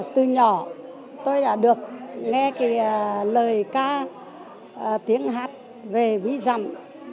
từ nhỏ tôi đã được nghe lời ca tiếng hát về ví dạng